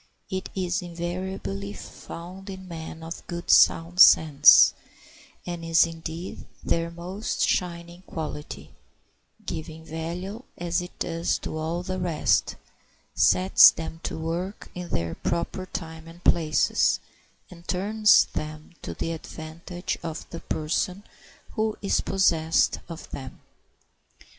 It is invariably found in men of good sound sense, and is, indeed, their most shining quality, giving value as it does to all the rest, sets them to work in their proper time and places, and turns them to the advantage of the person who is possessed of them.